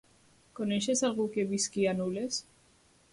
Coneixes algú que visqui a Nules?